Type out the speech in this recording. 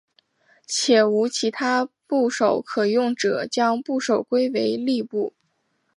且无其他部首可用者将部首归为立部。